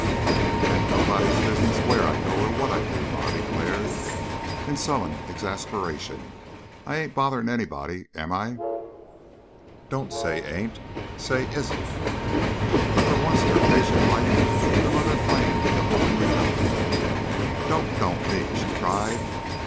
"It ain't anybody's business where I go or what I do," Ma declared, in sullen exasperation. "I ain't bothering anybody, am I?" "Don't say 'ain't,' say 'isn't.'" For once in her patient life the mother flamed into open rebellion. "Don't 'don't' me!" she cried.